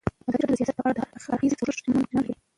ازادي راډیو د سیاست په اړه د هر اړخیز پوښښ ژمنه کړې.